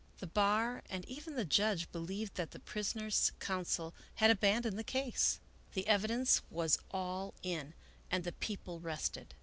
The bar, and even the judge, believed that the prisoner's counsel had aban doned his case. The evidence was all in and the People rested.